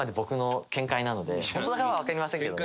本当かはわかりませんけどね。